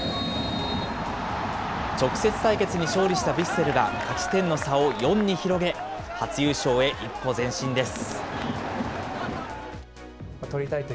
直接対決に勝利したヴィッセルが、勝ち点の差を４に広げ、初優勝へ一歩前進です。